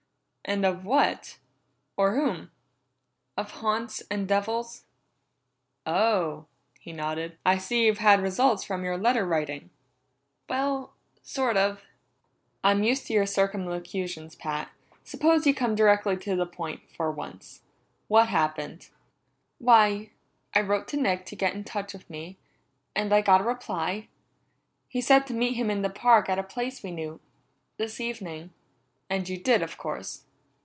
"And of what or whom?" "Of haunts and devils." "Oh." He nodded. "I see you've had results from your letter writing." "Well, sort of." "I'm used to your circumlocutions, Pat. Suppose you come directly to the point for once. What happened?" "Why, I wrote Nick to get in touch with me, and I got a reply. He said to meet him in the park at a place we knew. This evening." "And you did, of course."